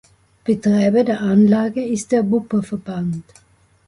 Betreiber der Anlage ist der Wupperverband.